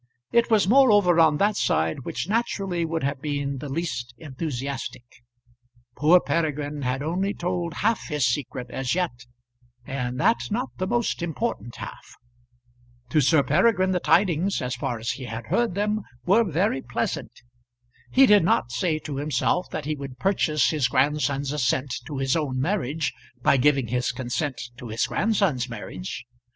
It was moreover on that side which naturally would have been the least enthusiastic. Poor Peregrine had only told half his secret as yet, and that not the most important half. To Sir Peregrine the tidings, as far as he had heard them, were very pleasant. He did not say to himself that he would purchase his grandson's assent to his own marriage by giving his consent to his grandson's marriage.